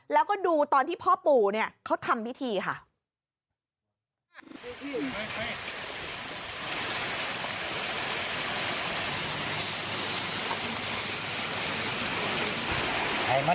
แล้วก็ดูตอนที่พ่อปู่เนี่ยเขาทำพิธีค่ะ